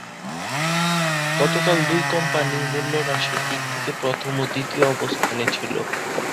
গতকাল দুই কোম্পানিই মূল্যহ্রাসের দিক থেকে প্রথম ও দ্বিতীয় অবস্থানে ছিল।